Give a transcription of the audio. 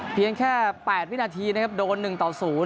เพียงแค่๘วินาทีนะครับโดน๑ต่อ๐